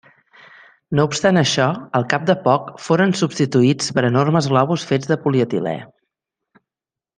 No obstant això, al cap de poc foren substituïts per enormes globus fets de polietilè.